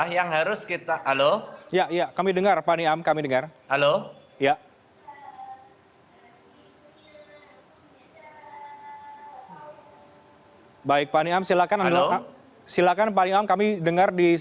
yang tidak boleh mengyangkis data data pengambilan teras